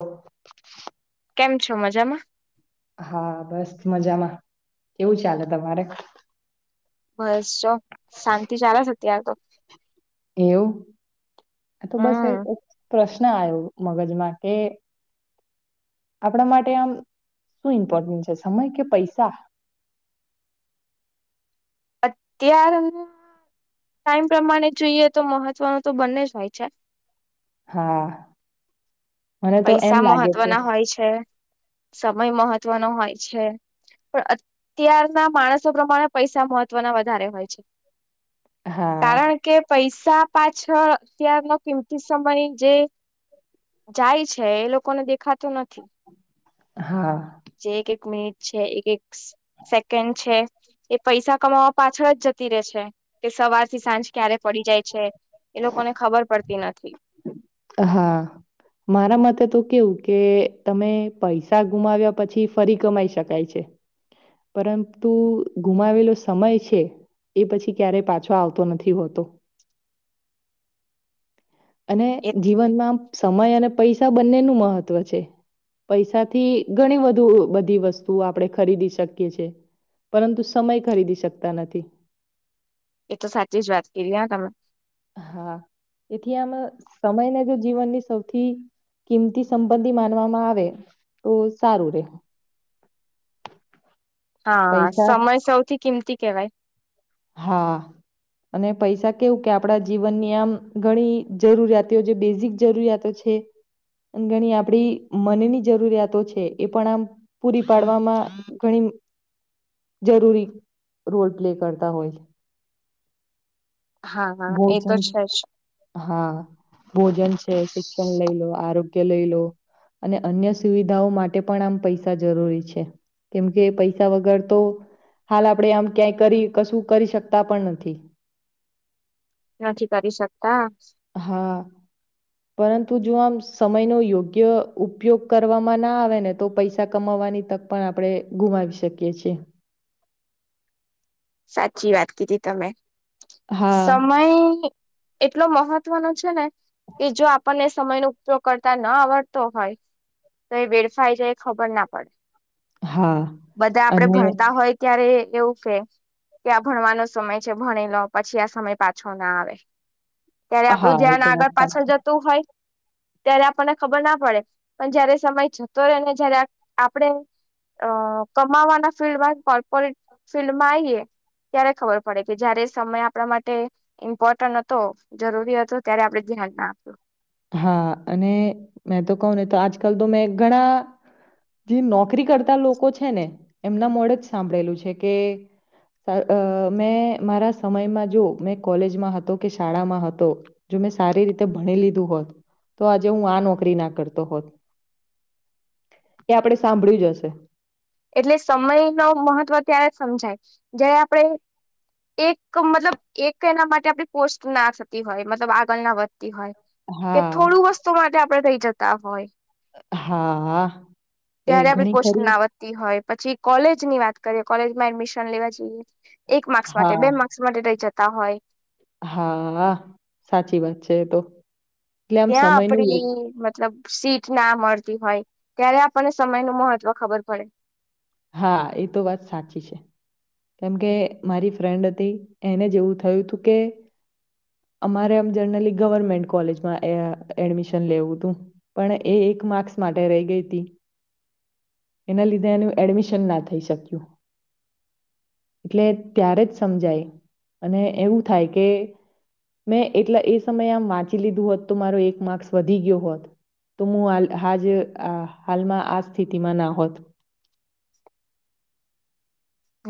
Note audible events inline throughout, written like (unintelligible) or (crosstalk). હ. કેમ છો મજામાં? હા બસ મજામાં કેવું ચાલે તમારે? બસ ચો શાંતિ ચાાલ છે, અત્યારે તો એવું તો બસ હમ એક પ્ર ના આવ્યો મગજમાં કે આપણા માટે આમ શું ઇમ્પોર્ટન્ટ છે સમય કે પૈસા? (inaudible) અત્યાર ટાઈમ પ્રમાણે જોઈએ તો મહત્વનું તો બંને જ હોય છે. હા. મને તો એમ પૈસા લાગે છે મહત્વના હોય છે, સમય મહત્વનો હોય છે. પણ અત્યારના માણસો પ્રમાણે પૈસા મહત્વના વધારે હોય છે. હા કારણ કે પૈસ શા પાછળ અત્યારનો કિંમતી સમય જે જાય છે, એ લોકોને દેખાતું નથી હા. જે એક એક મિનિટ છે એક એક સેકન્ડ છે. એ પૈસા કમાવા પાછળ જ જતી રે છે કે સવારથી સાંજ ક્યારે પડી જાય છે. એ લોકોને ખબર પડતી નથી. હા. મારા મતે તો કેવું કે તમે પૈસા ગુમાવ્યા પછી ફરી કમાઈ શકાય છે. પરંતુ ગુમાવેલો સમય છે. એ પછી ક્યારેય પાછો આવતો નથી હોતો. અને એ જીવનમાં આ સમય અને પૈસા બંનેનું મહત્વ છે. પૈસાથી ઘણી બધુ બધી વસ્તુ આપણે ખરીદી શકીએ છે. પરંતુ સમય ખરીદી શકતા નથી એ તો સાચી જ વાત કરી આ તમે હા એથી આમ સમય ને જો જીવનની સૌથી કિંમતી સંબંધી માનવામાં આવે તો સારું રહેે (inaudible) હા સમય સૌથી કિંમતી કેવાય. હા. અને પૈસા કેવું કે આપણા જીવનની આમ ઘણી જરૂરિયાતીઓ જે બેઝિક જરૂરિયાતો છે. થે ઘણી આપડી મનની જરૂરિયાતો છે, એ પણ આમ પૂરી પાડવામાં ઘણી જરૂરી રોલ પ્લે કરતા હોય. હા હા એ ભોજન! તો છે જ હા, ભોજન. શિક્ષણ લઈ લો, આરોગ્ય લઈ લો, અને અન્ય સુવિધાઓ માટે પણ આમ પૈસા જરૂરી છે. કેમ કે પૈસા વગર તો હાલ આપડણે આમ ક્યાંય કરી કશું કરી શકતા પણ નથી. નથી કરી શકતા. હા પરંતુ જો આમ સમય નો યોગ્ય ઉપયોગ કરવામાં ના આવે ને તો પૈસા કમાવવાની તક પણ આપડે ગુમાવી શકીએ છે. સાચી વાત કીધી તમે હા સમય એટલો મહત્વનો છે, ને કે જો આપણને સમય નો ઉપયોગ કરતા ન આવડતો હોય તો એ વેડફાઈ જાય એ ખબર ના પડે. હા બધા આપડે અને ભણતા હોય ત્યારે એવું છે, કે આ ભણવાનો સમય છે, ભણી લો પછી આ સમય પાછો ના આવે ત્યારે હા આપડું એ ધ્યાન તો વાત આગળ પાછળ સાચી જતું હોય (inaudible) ત્યારે આપણને ખબર ના પડે પણ જયારે સમય જતો રહે ને જયારે આપણે અ કમાવાના ફિલ્ડ માં કોર્પોરેટ ફિલ્ડ માં આઈએ ત્યારે ખબર પડે કે જયારે સમય આપણા માટે ઇમ્પોર્ટન્ટ હતો જરૂરી હતો ત્યારે આપણે ધ્યાન ના આપ્યું. હા, અને મેં તો કહું ને તો આજકાલ તો મેં ઘણા જે નોકરી કરતા લોકો છે, ને એમના મોે જ સાંભળેલું છે, કે મેં મારા સમયમાં જો મેં કોલેજમાં હતો કે શાળામાં હતો ત સારી રીતે ભણી લીધું હોત તો આજે હું આ નોકરી ના કરતો હોત. એ આપણેે સાંભળ્યું જ હશે. એટલે સમય ન મહત્વ ત્યારે જ સમજાય જયારે આપણે એક મતલબ એક એના માટે આપડી પોસ્ટ ના થતી હોય મતલબ આગળના વધ (unintelligible) હોય કે હા, થોડું વસ્તુ માટે આપણે રઈ જતા હોય હા હા એ ત્યારે આપણી ઘણી પોસ્ટ ખરી ના વધતી હોય પછી કોલેજ ની વાત કરીએ કોલેજ માં એડમિશન લેવા જઈએ એક માર્ક્સ માટે બે માર્ક્સ માટે રહી જતા હોય હા હા સાચી વાત છે, એ તો એટલે આમ ત્યાં સમયનું આપડી વ્ય- મતલબ (unintelligible) સીટ ના મળતી હોય ત્યારે આપણને સમય નું મહત્વ ખબર પડે હા, એ તો વાત સાચી છે. કેમ કે મારી ફ્રેન્ડ હતી એને જે એવું થયું હતું કે અમારે આમ જનરલી ગવર્મેન્ટ કોલેજમાં એ અ એડમિશન લેવું તું પણ એ એક માર્ક્સ માટે રહી ગઈ હતી એના લીધે એનું એડમિશન ના થઈ શક્યું. એટલે ત્યારે જ સમજાય અને એવું થાય કે મેં એટલા એ સમયે આમ વાંચી લીધું હોત તો મારો એક માર્ક્સ વધી ગયો હોત તો હું હાલ હાજ હાલમાં આ સ્થિતિમાં ના હોત (inaudible)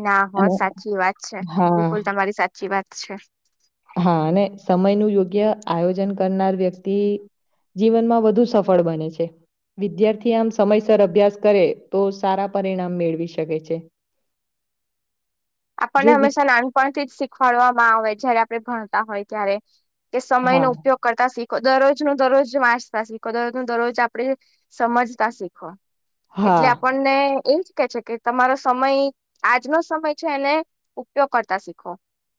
ના, હો અને સાચી વાત છે, હા બિલકુલ તમારી સાચી વાત છે. સમય નું યોગ્ય આયોજન કરનાર વ્યક્તિ જીવનમાં વધુ સફળ બને છે. વિદ્યાર્થી આમ સમયસર અભ્યાસ કરે તો સારા પરિણામ મેળવી શકે છે. (inaudible) જો આપણને વિ હંમેશા નાનપણથી જ શીખવાડવામાં આવે જયારે આપણે ભણતા હોય ત્યારે તે સમય હા નો ઉપયોગ કરતા શીખ દરરોજ નું દરરોજ વાંચતા શીખો દરરોજ નું દરરોજ આપડે સમજતા શીખો. હા એટલે આપણને એ જ કે છે, કે તમારો સમય આજનો સમય છે, એને ઉપયોગ કરતા શીખો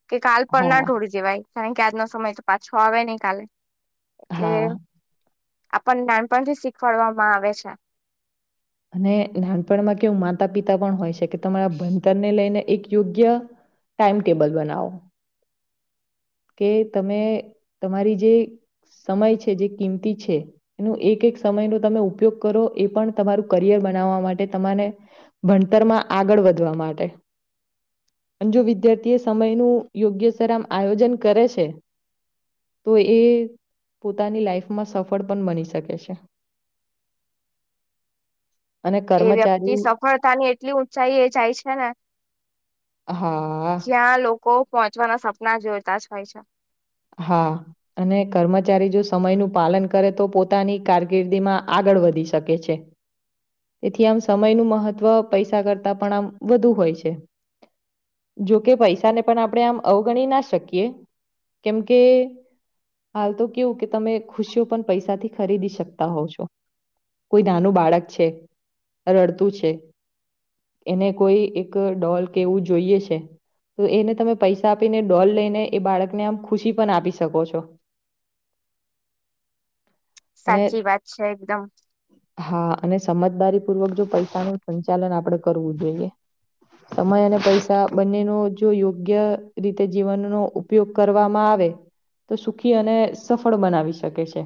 કે કાલ પણ ના હા ઢોળી જવાય કારણ કે આજનો સમય તો પાછો આવે નહી કાલે એટલે હા આપણને નાનપણથી શીખવાડવામાં આવે છે. અને નાનપણમાં કેવું માતા પિતા પણ હોય છે, કે તમારા ભણતર ને લઈને એક યોગ્ય ટાઈમટેબલ બનાવો કે તમે તમારી જે સમય છે, જે કિંમતી છે, એનું એક એક સમયનો તમે ઉપયોગ કરો એ પણ તમારું કરિયર બનાવવા માટે તમાને ભણતરમાં આ ગળ વધવા માટે અને જો વિદ્યાર્થી એ સમયનું યોગ્ય સર આમ આયોજન કરે છે. તો એ પોતાની લાઈફમાં સફળ પણ બની શકે છે. (inaudible) એ વ્યક્તિ કર્મચારી સફળતાની એટલી ઊંચાઈ એ જાય છે, ને હા. કો પહોંચવાના સપના જોતા જ હોય છે. હા અને કર્મચારી જો સમયનું પાલન કરે તો પોતાની કારકિર્દીમાં આગ ળ વધી શકે છે. તેથી આમ સમયનું મહત્વ પૈસા કરતા પણ આમ વધુ હોય છે. જોકે પૈસાને પણ આપણે આમ અવગણી ના શકીએ કેમકે હાલ તો કેવું કે તમે ખુશીઓ પણ પૈસાથી ખરીદી શકતા હોવ છો કોઈ નાનું બાળક છે, રડતું છે. એને કોઈ એક ડોલ કે એવું જોઈએ છે. તો એને તમે પૈસા આપીને ડોલ લઈને એ બાળકને આમ ખુશી પન આપી શકો છો. અને સાચી વાત છે, એકદમ હા અને સમજદારી પૂર્વક જો પૈસાનું સંચાલન આપડે કરવું જોઈએ સમય અને પૈસા બંનેનો જો યોગ્ય રીતે જીવનનો ઉપયોગ કર રવામાં આવે તો સુખી અને સફળ બનાવી શકે છે.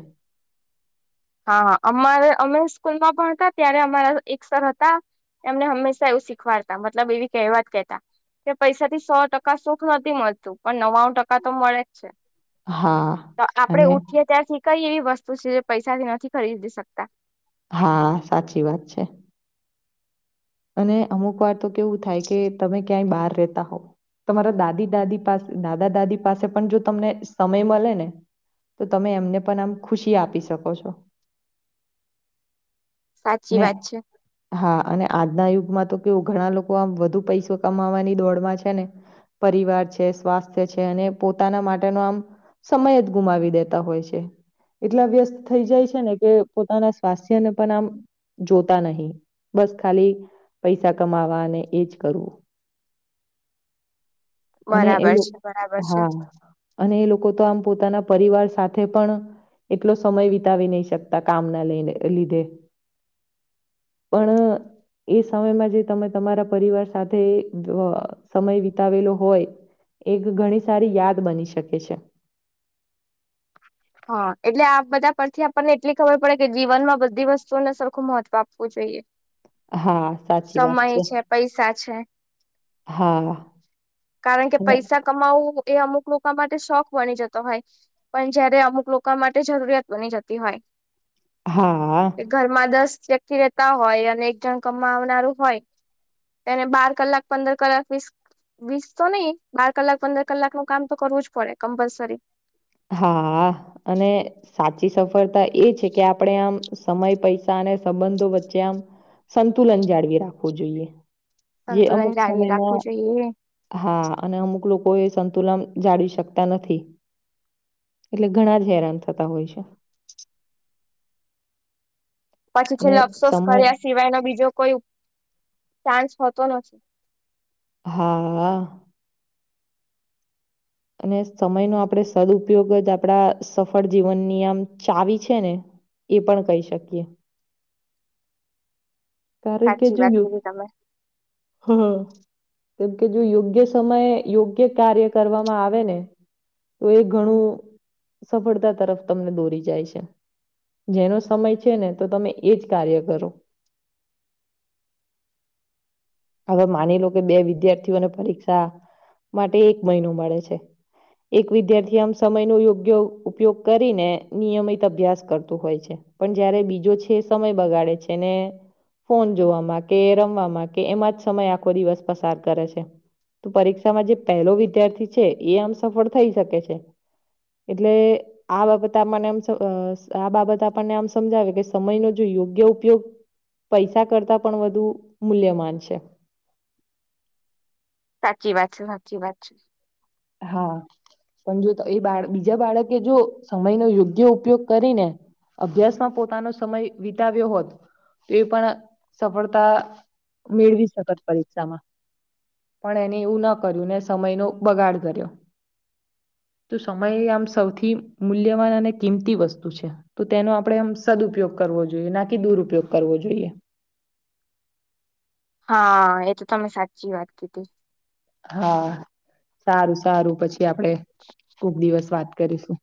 હા હા અમારે અમે સ્કૂલમાં ભણતા હતા ત્યારે અમારા એક સર હતા એમને હંમેશા એવું શીખવાડતા મતલબ એવી કહેવત કેતા તે પૈસાથી સો ટકા સુખ નથી મળતું પણ ન્વાણું ટકા તો મળેજ છે. હા તો આપડે અને ઉઠીએ ત્યાંથી કઈ એવી વસ્તુ છે, જે પૈસાથી નથી ખરીદી શકતા હા સાચી વાત છે. અને અમુક વાર તો કેવું થાય કે તમે ક્યાંય બહાર રેતા હોવ તમારા દાદી દાદી પાસે દાદા દાદી પાસે પણ જો તમને સમય મલે ને તો તમે એમને પણ આમ ખુશી આપી શકો છો. સાચી ને વાત છે હા અને આજના યુગમાં તો કેવું ઘણા લોકો આમ વધુ પૈસો કમાવાની દોડમાં છેને પરિવાર છે, સ્વાસ્થ્ય છે, અને પોતાના માટેનો આમ સમય જ ગુમાવી દેતા હોય છે. એટલા વ્યસ્ત થઈ જાય છે, ને કે પોતાના સ્વાસ્થ્યને પણ આમ જોતા નહીં બસ ખાલી પૈસા કમાવા અને એજ કરવું અને એ બરાબર લોક છે બરાબર છે હા અને એ લોકો તો આમ પોતાના પરિવાર સાથે પણ એટલો સમય વિતાવી નહી શકતા કામના લઈને લીધે પણ. એ સમયમાં જે તમે તમારા પરિવાર સાથે અ સમય વિતાવેલો હોય એક ઘણી સારી યાદ બની શકે છે. હા એટલે આ બધા પરથી આપણને એટલી ખબર પડે કે જીવન માં બધી વસ્તુઓને સરખું મહત્વ આપવું જોઈએ હા, સાચી વાત સમય છે પૈસા છે હા, કારણ કે અને પૈસા કમાવું એ અમુક લોકો માટે શોખ બની જતો હોય પણ જયારે અમુક લોકો માટે જરૂરિયાત બની જતી હોય હા, કે ઘરમાં દસ વ્યક્તિ રેતા હોય અને એક જણ કમાં આવનારું હોય એને બાર કલાક પંદર કલાક વીસ વીસ તો નહીં બાર કલાક પંદર કલાક નું કામ તો કરવું જ પડે કમ્પલસરી હા અને સાચી સફળતા એ છે કે આપણેે આમ સમય પૈસા સંબંધો વચ્ચે આમ સંતુલન જાળવી રાખવું જોઈએ જે અમુક સંતુલન જાળવી રાખવું સમયમાં જોઈએ હા અને અમુક લોકો કોઈ સંતુલન જાળવી શકતા નથી એટલે ઘણા જ હેરાન થતા હોય છે પછી અને છેલ્લે અફસોસ સમય કર્યા સિવાયનો બીજો કોઈ ચાન્સ હોતો નથી હા અને સમયનો આપણે સદઉપયોગ જ આપડા સફળ જીવનની આમ ચાવી છે ને એ પણ કહી શકીએ કારણ કે સાચી જો વાત યુ કીધી તમે હ કેમ કે જો યોગ્ય સમયે યોગ્ય કાર્ય કરવામાં આવે ને તો એ ઘણું સફળતા તરફ તમને દોરી જાય છે જેનો સમય છે ને તો તમે એ જ કાર્ય કરો હવે માની લો કે બે વિદ્યાર્થીઓને પરીક્ષા માટે એક મહિનો મળે છે એક વિદ્યાર્થી આમ સમય નો યોગ્ય ઉપયોગ કરીને નિયમિત અભ્યાસ કરતું હોય છે પણ જયારે બીજો છે સમય બગાડે છે ને ફોન જોવાવામાં કે રમવામાં એમાં જ સમય આખો દિવસ પસાર કરે છે પરીક્ષામાં જે પહેલો વિદ્યાર્થી છે એ એમ સફળ થઈ શકે છે એટલે આ બાબત આપણે એમ આ બાબત આપણને આમ સમજાવે કે સમય જોઈએ યોગ્ય ઉપયોગ પૈસા કરતા પણ વધુ મૂલ્યમાન છે સાચી વાત છે સાચી વાત છે હા પણ જો એ બાળ બીજા બાળકે જો સમય નો યોગ્ય ઉપયોગ કરી ને અભ્યાસમાં પોતાનો સમય વિતાવ્યો હોત તો એ પણ સફળતા મેળવી સકત પરીક્ષામાં પણ એને એવું ના કર્યું ને સમય નો બગાડ કર્યો તો સમય એ આમ સૌથી મૂલ્યવાન અને કિંમતી વસ્તુ છે તો તેનો આપણે આમ સદ ઉપયોગ કરી કરવો જોઈએ ના કે દુરપયોગ કરવો જોઈએ હા એ તો તમે સાચી વાત કીધી હા સારું સારું પછી આપડે ખુબ દિવસ વાત કરીશું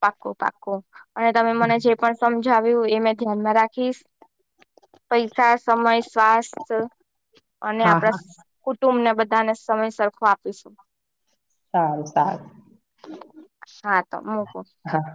પાકો પાકો અને તમે મને જે પણ સમજાયુ એ ધ્યાનમાં રાખીશ પૈસા સમય સ્વાસ્થ અને હા આપણા હા કુટુંબને બધાને સમય સરખો આપીશું સારું સારું હા તો હા